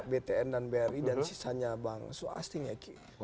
btn dan bri dan sisanya bank